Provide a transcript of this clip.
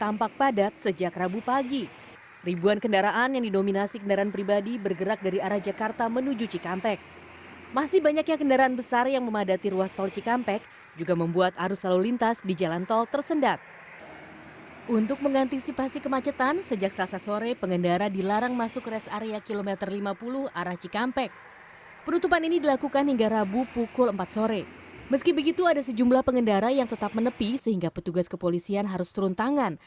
meski begitu ada sejumlah pengendara yang tetap menepi sehingga petugas kepolisian harus turun tangan